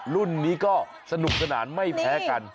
รุ่นนี้ก็สนุกสนานไม่แพ้กัน